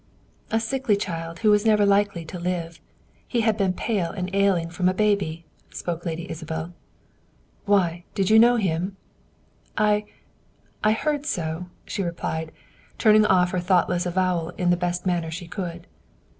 "A sickly child, who was never likely to live, he had been pale and ailing from a baby," spoke Lady Isabel. "Why! Did you know him?" "I I heard so," she replied, turning off her thoughtless avowal in the best manner she could.